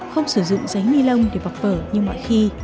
không sử dụng giấy ni lông để vọc vở như mọi khi